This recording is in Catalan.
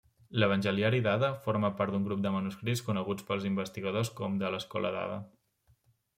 L'Evangeliari d'Ada forma part d'un grup de manuscrits coneguts pels investigadors com de l'Escola d'Ada.